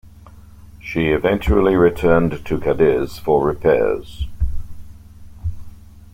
She eventually returned to Cadiz for repairs.